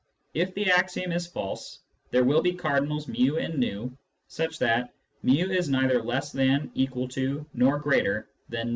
If the axiom is false, there will be cardinals p and v such that /n is neither less than, equal to, nor greater than v.